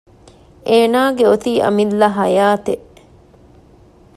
އޭނާގެ އޮތީ އަމިއްލަ ޙަޔާތެއް